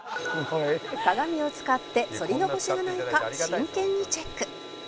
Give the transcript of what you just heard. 「鏡を使ってそり残しがないか真剣にチェック」